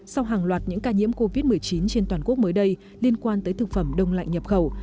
sau hàng loạt những ca nhiễm covid một mươi chín trên toàn quốc mới đây liên quan tới thực phẩm đông lạnh nhập khẩu